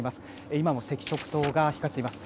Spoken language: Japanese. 今も赤色灯が光っています。